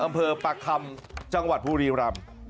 อำเภอปากคำจังหวัดบุรีรำ